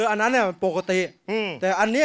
อันนั้นมันปกติแต่อันนี้